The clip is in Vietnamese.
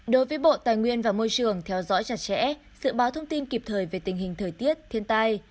đối với bộ tài nguyên và môi trường theo dõi chặt chẽ dự báo thông tin kịp thời về tình hình thời tiết thiên tai